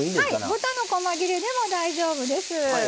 豚のこま切れでも大丈夫です。